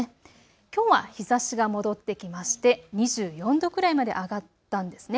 きょうは日ざしが戻ってきまして２４度くらいまで上がったんですね。